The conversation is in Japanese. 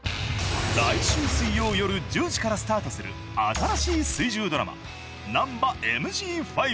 ［来週水曜夜１０時からスタートする新しい水１０ドラマ『ナンバＭＧ５』］